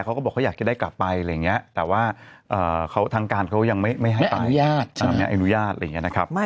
เค้าก็บอกว่าเค้าอยากจะได้กลับไป